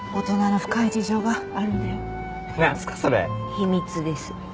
秘密です。